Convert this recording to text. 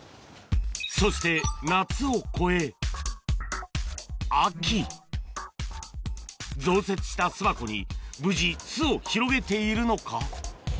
そして夏を越え秋増設した巣箱に無事巣を広げているのか？